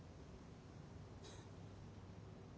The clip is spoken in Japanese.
フッ。